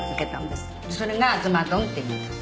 それがあずま丼っていうんです。